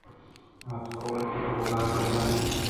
اتک ءُ وتی لوگ ءَ یلہ دات